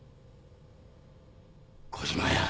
小島や。